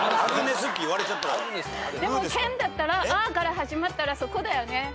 でも県だったら「あ」から始まったらあそこだよね。